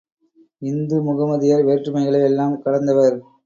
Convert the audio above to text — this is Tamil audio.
இந்து முகமதியர் வேற்றுமைகளை எல்லாம் கடந்தவர்.